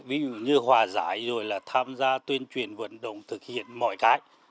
ví dụ như hòa giải rồi là tham gia tuyên truyền vận động thực hiện mọi cái